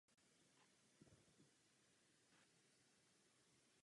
Slouží také jako základ pro montáž dalších součástí.